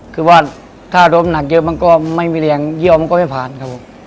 คือว่าถ้าล้มหนักเยอะมันก็ไม่มีแรงเยี่ยวมันก็ไม่ผ่านครับผม